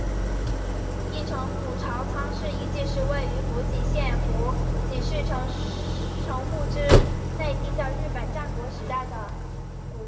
一乘谷朝仓氏遗迹是位于福井县福井市城户之内町的日本战国时代的古迹。